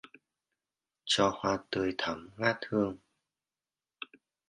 Cho hoa tươi thắm ngát hương